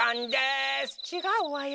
ちがうわよ。